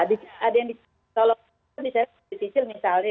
iya ada yang dicicil